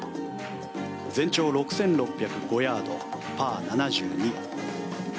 全長６６０５ヤード、パー７２。